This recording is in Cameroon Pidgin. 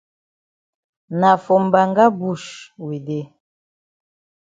Na for mbanga bush we dey.